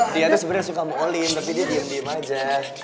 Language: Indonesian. dia tuh sebenernya suka sama olin tapi dia diam diam aja